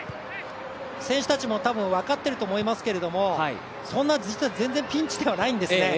選手たちも多分分かってると思いますけれどもそんな実は、全然ピンチではないんですよね。